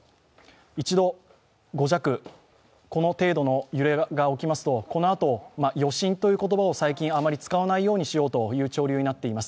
一度、５弱、この程度の揺れが起きますと、このあと「余震」という言葉を最近あまり使わないようにしようという潮流になっています。